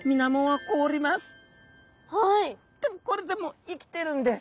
でもこれでも生きてるんです！